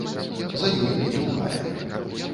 За ёй і другая.